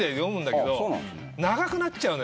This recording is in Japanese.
長くなっちゃうのよ。